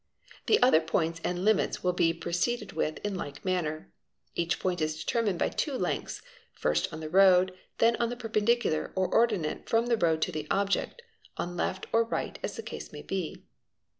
The other points and limits will be proceeded with in like manner. lEKach point is determined by two lengths; first on the road, then on the perpendicular or ordinate from the road to the object, on left or right as the case may be.